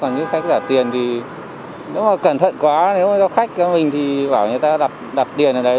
còn khách trả tiền thì cẩn thận quá nếu mà giao khách cho mình thì bảo người ta đặt tiền ở đấy